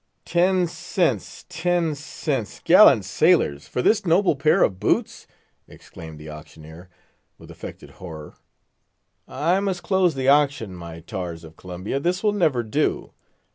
"Ten cents! ten cents! gallant sailors, for this noble pair of boots," exclaimed the auctioneer, with affected horror; "I must close the auction, my tars of Columbia; this will never do.